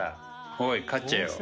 おいかっちゃよ。